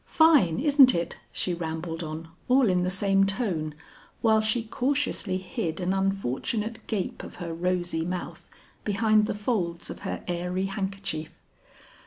Fine, isn't it?" she rambled on all in the same tone while she cautiously hid an unfortunate gape of her rosy mouth behind the folds of her airy handkerchief.